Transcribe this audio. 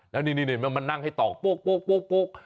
แล้วนี่มันนั่งให้ตอกโป๊ก